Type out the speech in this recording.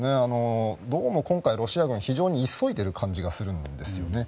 どうも今回ロシア軍は非常に急いでいる感じがするんです。